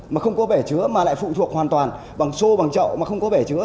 mà không có bể chứa mà lại phụ thuộc hoàn toàn bằng xô bằng chậu mà không có bể chứa